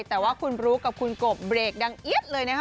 แต่ว่าคุณบลุ๊กกับคุณกบเบรกดังเอี๊ยดเลยนะคะ